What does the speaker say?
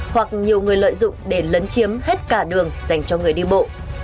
hoặc nhiều người lợi dụng để lấn chiếm hết cả đường dành cho người đi bộ